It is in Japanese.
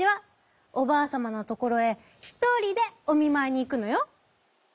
おばあさまのところへひとりでおみまいにいくのよ」。